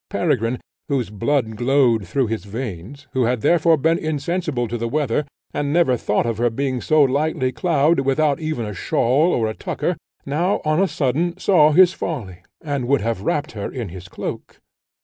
Peregrine, whose blood glowed through his veins, who had therefore been insensible to the weather, and never thought of her being so lightly clad, without even a shawl or a tucker, now on a sudden saw his folly, and would have wrapt her in his cloak.